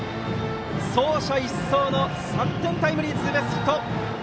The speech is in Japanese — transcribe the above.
走者一掃の３点タイムリーツーベースヒット！